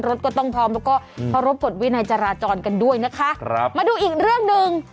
รถก็ต้องพร้อมแล้วก็เคารพกฎวินัยจราจรกันด้วยนะคะครับมาดูอีกเรื่องหนึ่ง